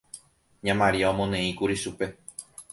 Ña Maria omoneĩkuri chupe.